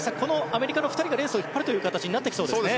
アメリカの２人がレースを引っ張る形になってきそうですね。